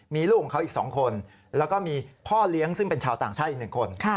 มีลูกของเขาอีก๒คนแล้วก็มีพ่อเลี้ยงซึ่งเป็นชาวต่างชาติอีก๑คน